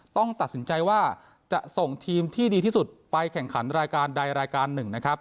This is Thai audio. ต้องตัดสินใจว่าจะส่งทีมที่ดีที่สุดไปแข่งขันรายการใดรายการหนึ่งนะครับ